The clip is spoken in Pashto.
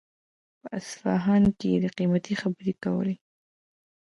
په اصفهان کې يې د قيمتۍ خبرې کولې.